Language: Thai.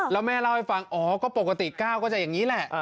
แล้วแม่เล่าให้ฟังอ๋อก็ปกติก้าวก็จะอย่างนี้แหละ